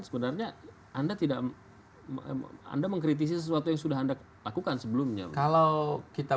sebenarnya anda tidak anda mengkritisi sesuatu yang sudah anda lakukan sebelumnya kalau kita